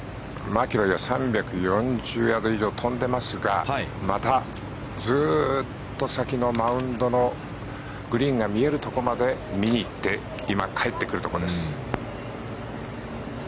マキロイは３４０ヤード以上飛んでますがまたずっと先のマウンドのグリーンが見えるところまで見に行って今、帰ってくるところです。